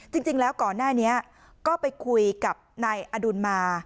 จริงแล้วก่อนหน้านี้ก็ไปคุยกับนายอดุลมา